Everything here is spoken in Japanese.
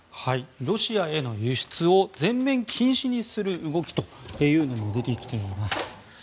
ロシアへの輸出を全面禁止にするという動きも出てきています。